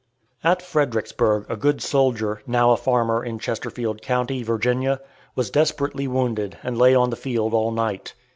At Fredericksburg a good soldier, now a farmer in Chesterfield County, Virginia, was desperately wounded and lay on the field all night.